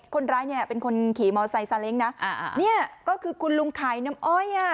คนร้ายเนี่ยเป็นคนขี่มอไซค์เล้งนะเนี่ยก็คือคุณลุงขายน้ำอ้อยอ่ะ